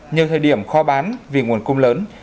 nhiều thời điểm khó bán vì nguồn cung lớn